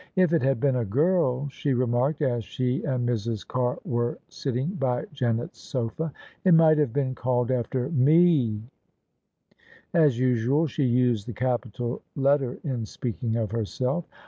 " If it had been a girl," she remarked, as she and Mrs. Carr were sitting by Janet's sofa, " it might have been called after Me/' As usual she used the capital letter in speaking of herself.